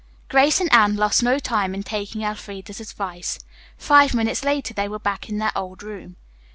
Grace and Anne lost no time in taking Elfreda's advice. Five minutes later they were back in their old room.